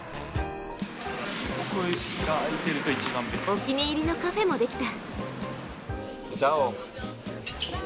お気に入りのカフェもできた。